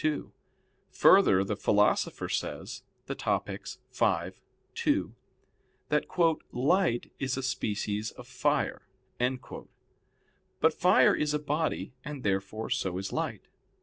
2: Further, the Philosopher says (Topic. v, 2) that "light is a species of fire." But fire is a body, and therefore so is light.